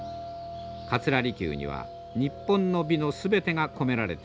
桂離宮には日本の美の全てが込められています。